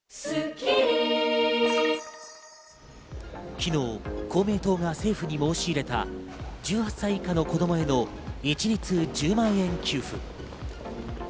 昨日、公明党が政府に申し入れた、１８歳以下の子供への一律１０万円給付。